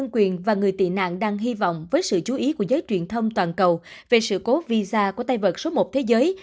quyền và người tị nạn đang hy vọng với sự chú ý của giới truyền thông toàn cầu về sự cố visa của tay vật số một thế giới